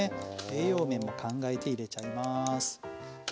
栄養面も考えて入れちゃいます。